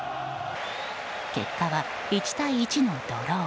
結果は１対１のドロー。